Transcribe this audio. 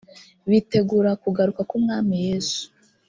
bitegura kugaruka k’umwami yesu